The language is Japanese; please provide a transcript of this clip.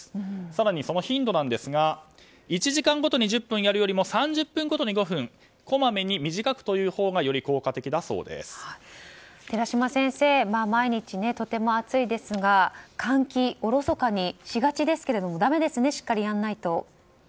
更にその頻度ですが１時間ごとに１０分やるより３０分ごとに５分こまめに短くというほうが寺嶋先生、毎日とても暑いですが換気、おろそかにしがちですがだめですね、しっかりやらないと。